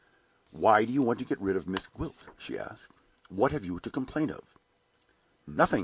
"Why do you want to get rid of Miss Gwilt?" she asked. "What have you got to complain of?" "Nothing!"